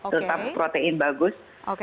terutama protein bagus